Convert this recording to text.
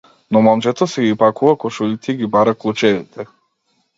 Но момчето си ги пакува кошулите и ги бара клучевите.